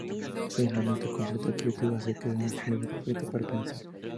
Su aislamiento y completa quietud hacen que sea un lugar perfecto para pensar.